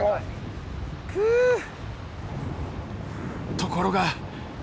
ところが。